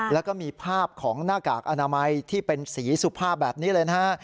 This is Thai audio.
แล้วก็มีภาพของหน้ากากอนามัยที่เป็นสีสุภาพแบบนี้เลยนะฮะ